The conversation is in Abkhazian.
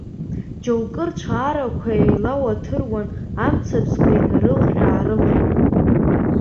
Џьоукы рцәаарақәа еилауаҭыруан, амцабзқәа инарылҟьа-аарылҟьон.